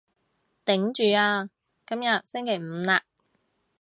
頂住啊，今日星期五喇